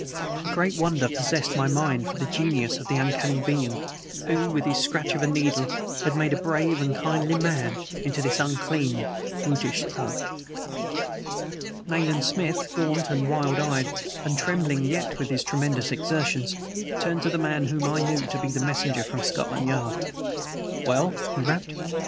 A great wonder possessed my mind for the genius of the uncanny being who with the scratch of a needle had made a brave and kindly man into this unclean, brutish thing. Nayland Smith, gaunt and wild eyed, and trembling yet with his tremendous exertions, turned to the man whom I knew to be the messenger from Scotland Yard. "Well?" he rapped.